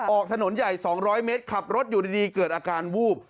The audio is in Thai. ออกถนนใหญ่๒๐๐เมตรขับรถอยู่ดีเกิดอาการวูบ